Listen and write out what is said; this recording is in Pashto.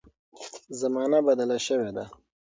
زمانه بدله شوې ده.